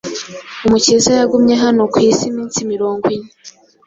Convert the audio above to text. Umukiza yagumye hano ku isi iminsi mirongo ine,